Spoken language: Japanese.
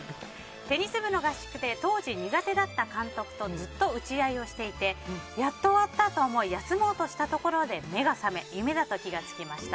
テニス部の合宿で当時苦手だった監督とずっと打ち合いをしていてやっと終わったと思い休もうとしたところで目が覚め夢だと気が付きました。